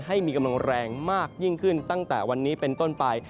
ให้มีกำลังแรงมากยิ่งขึ้นตั้งแต่วันนี้เป็นต้นไป